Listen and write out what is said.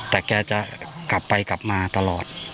แต่แกจะกลับไปกลับมาตลอด